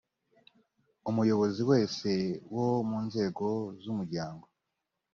umuyobozi wese wo munzego z umuryango